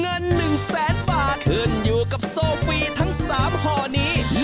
เงินหนึ่งแสนบาทเผื่อนอยู่กับโซฟีทั้งสามห่อนี้